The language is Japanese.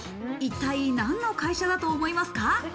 一体、何の会社だと思いますか。